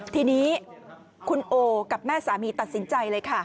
ทีนี้คุณโอกับแม่สามีตัดสินใจเลยค่ะ